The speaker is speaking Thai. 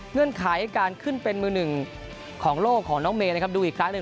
ไขการขึ้นเป็นมือหนึ่งของโลกของน้องเมย์นะครับดูอีกครั้งหนึ่ง